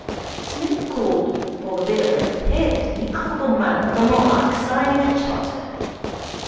Psmith called for the bill and paid it in the affable manner of a monarch signing a charter.